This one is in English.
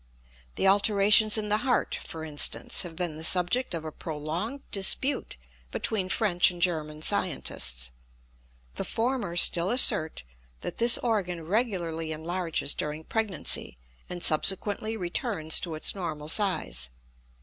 The alterations in the heart, for instance, have been the subject of a prolonged dispute between French and German scientists. The former still assert that this organ regularly enlarges during pregnancy and subsequently returns to its normal size.